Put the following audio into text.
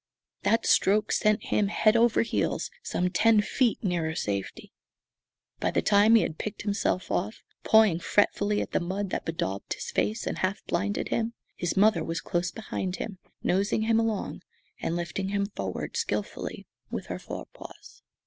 That stroke sent him head over heels some ten feet nearer safety. By the time he had picked himself up, pawing fretfully at the mud that bedaubed his face and half blinded him, his mother was close behind him, nosing him along and lifting him forward skilfully with her fore paws.